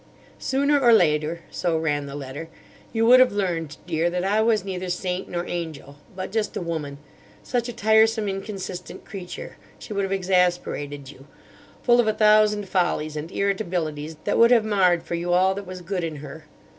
"'Sooner or later,' so ran the letter, 'you would have learned, Dear, that I was neither saint nor angel; but just a woman—such a tiresome, inconsistent creature; she would have exasperated you—full of a thousand follies and irritabilities that would have marred for you all that was good in her.